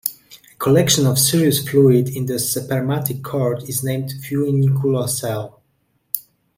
A collection of serous fluid in the spermatic cord is named 'funiculocele'.